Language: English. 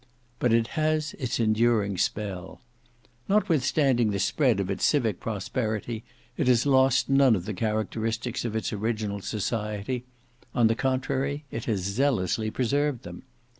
But it has its enduring spell. Notwithstanding the spread of its civic prosperity, it has lost none of the characteristics of its original society; on the contrary it has zealously preserved them.